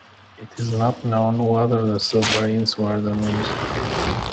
It is not known whether the submarines were damaged.